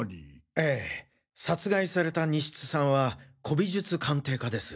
ええ殺害された西津さんは古美術鑑定家です。